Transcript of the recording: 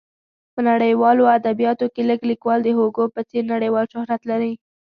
په نړیوالو ادبیاتو کې لږ لیکوال د هوګو په څېر نړیوال شهرت لري.